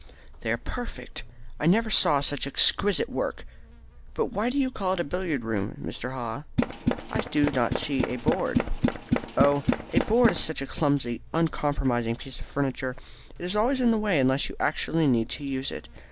"They are perfect. I never saw such exquisite work. But why do you call it a billiard room, Mr. Haw? I do not see any board." "Oh, a board is such a clumsy uncompromising piece of furniture. It is always in the way unless you actually need to use it.